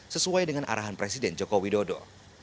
sesuai dengan arahan presiden joko widodo